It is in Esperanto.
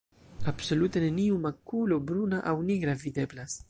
Absolute neniu makulo bruna aŭ nigra videblas.